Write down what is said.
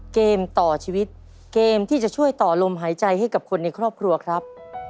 เกมต่อชีวิตเกมที่จะช่วยต่อลมหายใจให้กับคนในครอบครัวครับ